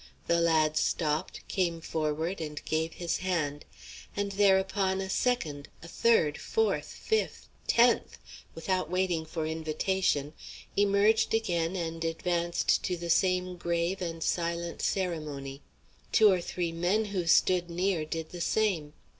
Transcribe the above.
The lad stopped, came forward, and gave his hand; and thereupon a second, a third, fourth, fifth, tenth, without waiting for invitation, emerged again and advanced to the same grave and silent ceremony. Two or three men who stood near did the same.